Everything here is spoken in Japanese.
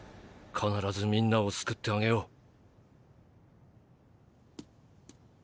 必ずみんなを救ってあげよう。